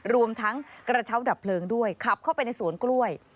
รวมทั้งกระเช้าดับเพลิงด้วยขับเข้าไปในสวนกล้วย